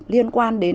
liên quan đến